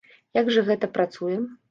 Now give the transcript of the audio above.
Як жа гэта працуе?